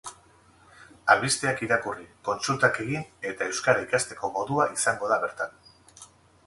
Albisteak irakurri, kontsultak egin eta euskara ikasteko modua izango da bertan.